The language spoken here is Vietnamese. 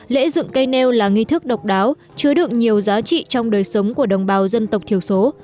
lễ dựng cây nêu là nghi thức độc đáo chứa đựng nhiều giá trị trong đời sống của đồng bào dân tộc thiểu số